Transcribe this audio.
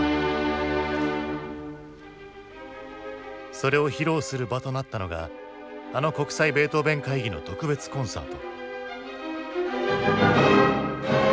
それを披露する場となったのがあの国際ベートーヴェン会議の特別コンサート。